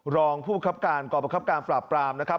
รองผู้ประคับการกรประคับการปราบปรามนะครับ